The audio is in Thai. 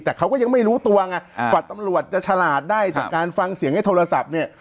แต่เขาก็ยังไม่รู้ตัวไงฝัดตำรวจจะฉลาดได้จากการฟังเสียงในโทรศัพท์เนี่ย